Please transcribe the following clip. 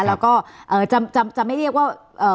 แล้วก็จะไม่เรียกว่า